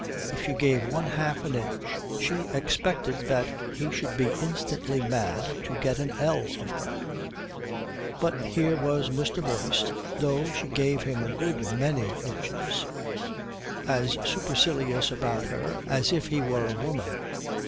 If she gave one half an inch she expected that he should be instantly mad to get an ell of her. But here was Mr. Boyce, though she gave him a good many inches, as supercilious about her as if he were a woman.